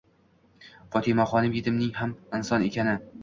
Fotnmaxonim yetimning ham inson ekani